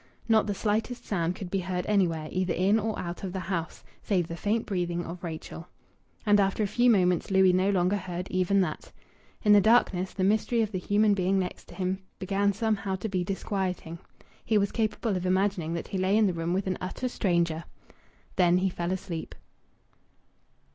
Not the slightest sound could be heard anywhere, either in or out of the house, save the faint breathing of Rachel. And after a few moments Louis no longer heard even that. In the darkness the mystery of the human being next him began somehow to be disquieting. He was capable of imagining that he lay in the room with an utter stranger. Then he fell asleep.